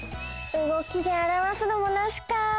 うごきであらわすのもナシか。